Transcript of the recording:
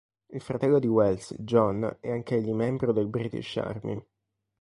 Il fratello di Wells, John, è anch'egli membro del British Army.